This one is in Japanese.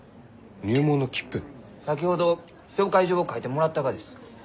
先ほど紹介状を書いてもらったがです。